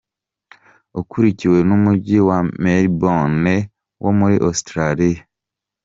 Ukurikiwe n'umujyi wa Melbourne wo muri Australia.